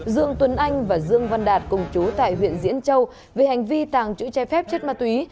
dương tuấn anh và dương văn đạt cùng chú tại huyện diễn châu về hành vi tàng trữ trái phép chất ma túy